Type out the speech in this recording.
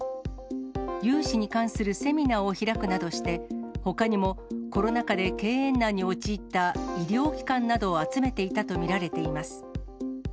融資に関するセミナーを開くなどして、ほかにもコロナ禍で経営難に陥った医療機関などを集めていたと見られています。